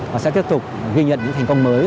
và sẽ tiếp tục ghi nhận những thành công mới